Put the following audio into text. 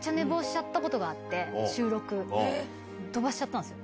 収録飛ばしちゃったんすよ。